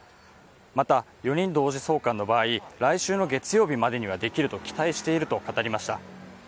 また、４人同時送還の場合来週の月曜日までにはできると期待していると語りました。